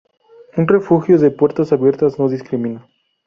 Un refugio de puertas abiertas no discrimina.